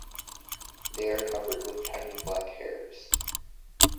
They are covered with tiny black hairs.